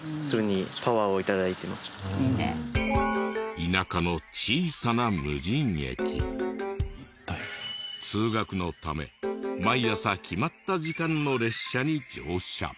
田舎の通学のため毎朝決まった時間の列車に乗車。